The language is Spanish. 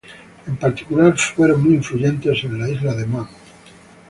En particular, fueron muy influyentes en la Isla de Man.